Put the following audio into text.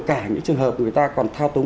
cả những trường hợp người ta còn thao túng